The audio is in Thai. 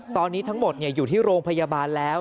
ตอนนี้ทั้งหมดอยู่ที่โรงพยาบาลแล้ว